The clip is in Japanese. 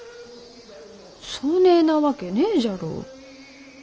そねえなわけねえじゃろう。